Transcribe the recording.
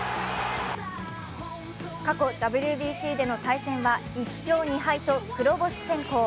過去、ＷＢＣでの対戦は１勝２敗と黒星先行。